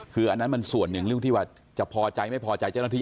คืออันนั้นมันส่วนหนึ่งเรื่องที่ว่าจะพอใจไม่พอใจเจ้าหน้าที่